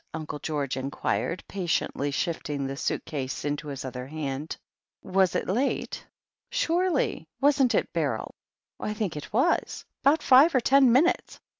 Uncle George in quired, patiently shifting the suit case into his other hand. "Was it late?" "Surely. Wasn't it, Beryl?" "I think it was. About five or ten minutes."